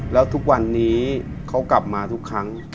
แล้วทุกวันนี้เขากลับมาทุกครั้ง